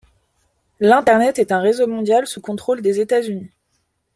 L’internet est un réseau mondial sous contrôle des États-Unis.